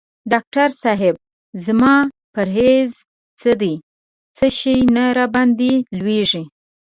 ډاکټر صېب زما پریز څه دی څه شی نه راباندي لویږي؟